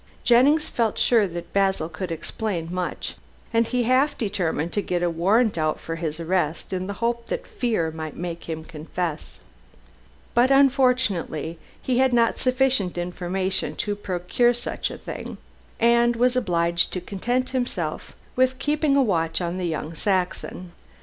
Jennings felt sure that Basil could explain much, and he half determined to get a warrant out for his arrest in the hope that fear might make him confess. But, unfortunately, he had not sufficient information to procure such a thing, and was obliged to content himself with keeping a watch on young Saxon.